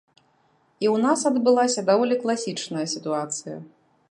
І ў нас адбылася даволі класічная сітуацыя.